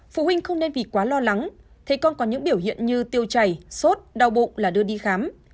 phụ huynh không nên vì quá lo lắng thấy con có những biểu hiện như tiêu chảy sốt đau bụng là đưa đi khám